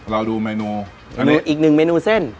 รอดูเมนูเดี๋ยวนี้อีกหนึ่งเมนูเส้น